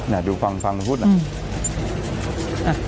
เนี่ยดูฟังรูปออกออก